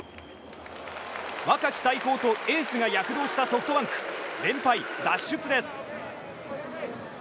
若き大砲とエースが躍動したソフトバンク。連敗脱出です。